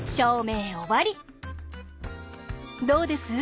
どうです？